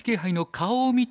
顔を見て。